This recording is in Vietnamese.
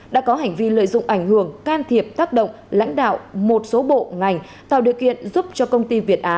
đã có hành vi lợi dụng ảnh hưởng can thiệp tác động lãnh đạo một số bộ ngành tạo điều kiện giúp cho công ty việt á